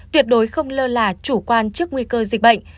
tuyệt đối không lơ là chủ quan trước nguy cơ dịch bệnh